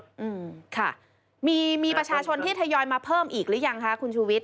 อืมค่ะมีมีประชาชนที่ทยอยมาเพิ่มอีกหรือยังคะคุณชูวิท